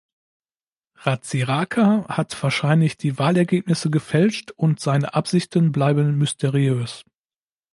Ratsiraka hat wahrscheinlich die Wahlergebnisse gefälscht, und seine Absichten bleiben mysteriös.